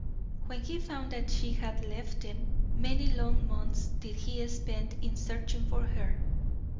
When he found that she had left him, many long months did he spend in searching for her.